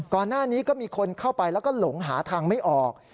ก่อนหน้านี้ก็มีคนเข้าไปแล้วก็หลงหาทางไม่ออก